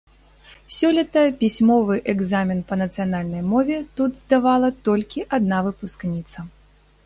Сёлета пісьмовы экзамен па нацыянальнай мове тут здавала толькі адна выпускніца.